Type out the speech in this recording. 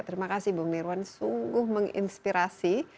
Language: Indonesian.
terima kasih bung nirwan sungguh menginspirasi